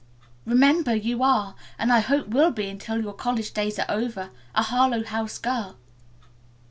Remember, you are, and I hope will be until your college days are over, a Harlowe House girl."